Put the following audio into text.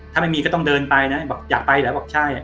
ถ้าไม่มีก็ต้องเดินไปนะบอกอยากไปเหรอบอกใช่